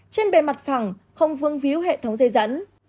trên bề mặt phẳng không vương víu hệ thống dây dẫn